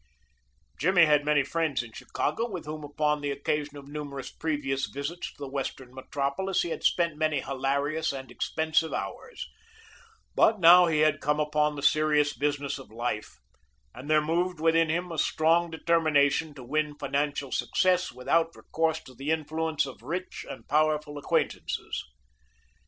Jimmy had many friends in Chicago with whom, upon the occasion of numerous previous visits to the Western metropolis, he had spent many hilarious and expensive hours, but now he had come upon the serious business of life, and there moved within him a strong determination to win financial success without recourse to the influence of rich and powerful acquaintances.